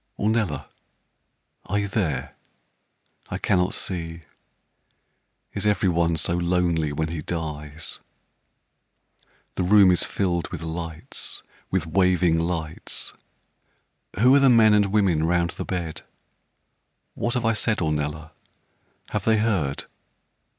Ornella, are you there? I cannot see Is every one so lonely when he dies? The room is filled with lights with waving lights Who are the men and women 'round the bed? What have I said, Ornella? Have they heard?